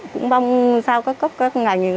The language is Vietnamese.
cũng mong sao các cấp các ngành